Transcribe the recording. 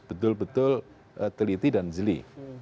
betul betul teliti dan jeli